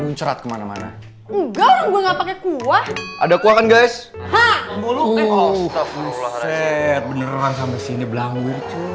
buset beneran sampe sini belanggir cuy